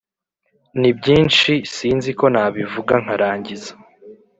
ni byinshi sinziko nabivuga nkarangiza!